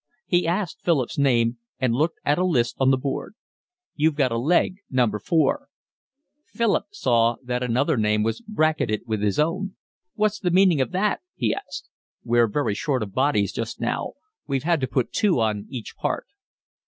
He asked Philip's name and looked at a list on the board. "You've got a leg—number four." Philip saw that another name was bracketed with his own. "What's the meaning of that?" he asked. "We're very short of bodies just now. We've had to put two on each part."